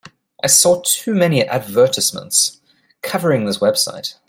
I saw too many advertisements covering this website.